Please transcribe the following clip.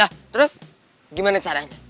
lah terus gimana caranya